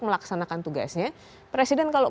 melaksanakan tugasnya presiden kalau